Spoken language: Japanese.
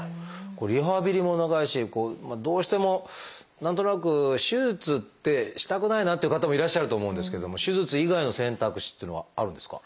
これリハビリも長いしどうしても何となく手術ってしたくないなっていう方もいらっしゃると思うんですけれども手術以外の選択肢っていうのはあるんですか？